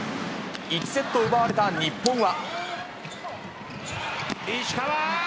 １セットを奪われた日本は。